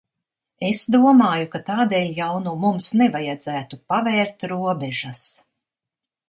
Es domāju, ka tādēļ jau nu mums nevajadzētu pavērt robežas.